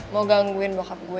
mau gangguin bokap gue